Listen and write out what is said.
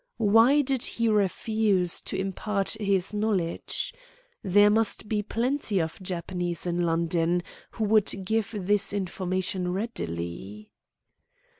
Why did he refuse to impart his knowledge? There must be plenty of Japanese in London who would give this information readily.